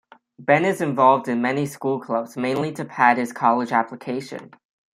Ben is involved in many school clubs, mainly to pad his college application.